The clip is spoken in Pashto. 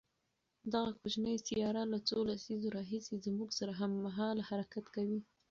دغه کوچنۍ سیاره له څو لسیزو راهیسې زموږ سره هممهاله حرکت کوي.